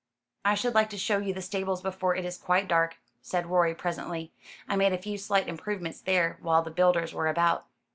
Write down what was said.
"I should like to show you the stables before it is quite dark," said Rorie presently. "I made a few slight improvements there while the builders were about."